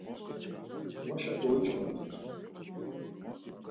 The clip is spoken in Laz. Vaşa goiç̌ǩendina.